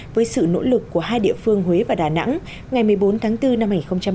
với sự nỗ lực của hai địa phương huế và đà nẵng ngày một mươi bốn tháng bốn năm hai nghìn hai mươi